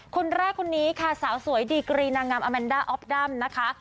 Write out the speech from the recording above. คนแรกคนนี้ค่ะสาวสวยดีกรีนางงามอแมนด้าออฟดัมนะคะ